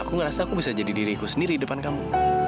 aku gak rasa aku bisa jadi diriku sendiri depan kamu